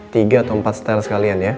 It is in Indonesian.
tiga atau empat setel sekalian ya